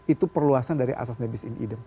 itu perluasan dari asas nebis in idem